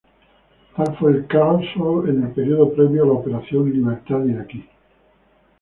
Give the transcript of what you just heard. Tal fue el caso en el período previo a la Operación Libertad Iraquí.